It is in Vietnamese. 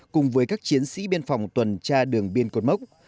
cùng với các chiến sĩ biên phòng tuần tra đường biên cột mốc